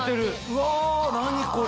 うわ何これ。